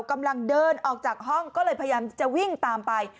กำลังเดินออกจากห้องก็เลยพยายามจะวิ่งตามไป